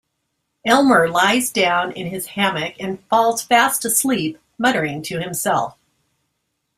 Elmer lies down in his hammock and falls fast asleep, muttering to himself.